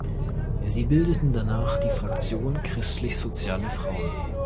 Sie bildeten danach die Fraktion „Christlich soziale Frauen“.